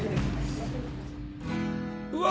うわ！